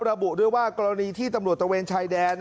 ระบุด้วยว่ากรณีที่ตำรวจตะเวนชายแดน